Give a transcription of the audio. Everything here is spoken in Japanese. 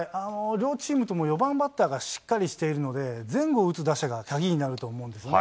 両チームとも４番バッターがしっかりしているので、前後を打つ打者が鍵になると思うんですよね。